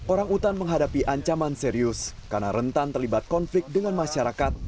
orang utan menghadapi ancaman serius karena rentan terlibat konflik dengan masyarakat